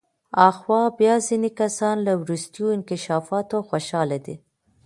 آخوا بیا ځینې کسان له وروستیو انکشافاتو خوشحاله دي.